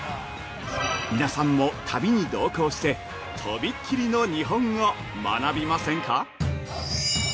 皆さんも、旅に同行してとびっきりの日本を学びませんか。